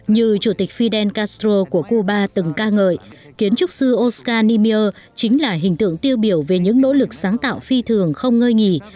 như chủ tịch fidel castro của cuba từng ca ngợi kiến trúc sư okanimier chính là hình tượng tiêu biểu về những nỗ lực sáng tạo phi thường không ngơi nghỉ